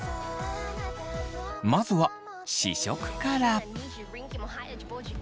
まずは試食から。